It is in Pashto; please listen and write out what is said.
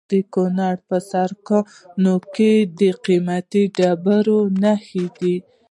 د کونړ په سرکاڼو کې د قیمتي ډبرو نښې دي.